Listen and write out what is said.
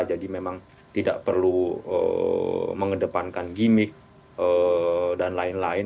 jadi memang tidak perlu mengedepankan gimmick dan lain lain